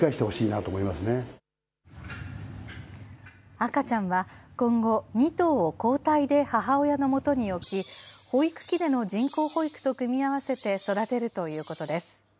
赤ちゃんは今後、２頭を交代で母親のもとに置き、保育器での人工保育と組み合わせて育てるということです。